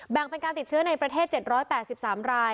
เป็นการติดเชื้อในประเทศ๗๘๓ราย